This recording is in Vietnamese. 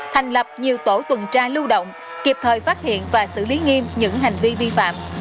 thành lập nhiều tổ tuần tra lưu động kịp thời phát hiện và xử lý nghiêm những hành vi vi phạm